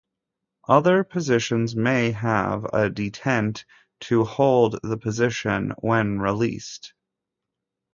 Other positions may have a detent to hold the position when released.